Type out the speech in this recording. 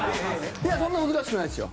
いや、そんな難しくないですよ。